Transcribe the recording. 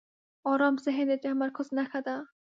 آرام ذهن د تمرکز نښه ده.